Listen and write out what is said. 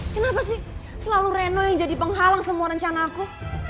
kenapa sih selalu reno yang jadi penghalang semua rencana aku